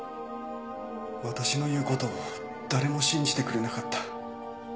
私の言うことを誰も信じてくれなかった